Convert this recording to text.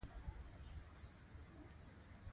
افغانستان کې فاریاب د خلکو د خوښې وړ ځای دی.